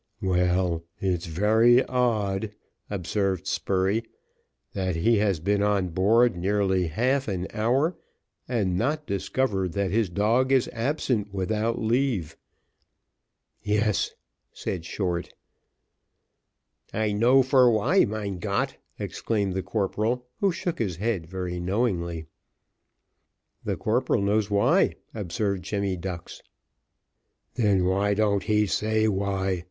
"Well, it's very odd," observed Spurey, "that he has been on board nearly half an hour, and not discovered that his dog is absent without leave." "Yes," said Short. "I know for why, mein Gott!" exclaimed the corporal, who shook his head very knowingly. "The corporal knows why," observed Jemmy Ducks. "Then why don't he say why?"